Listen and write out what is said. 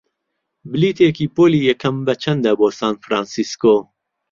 بلیتێکی پۆلی یەکەم بەچەندە بۆ سان فرانسیسکۆ؟